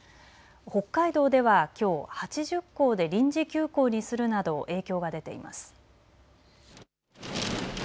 北海道ではきょう８０校で臨時休校にするなど影響が出ています。